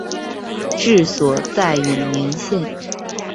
治所在永年县。